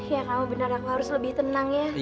ya kamu benar aku harus lebih tenang ya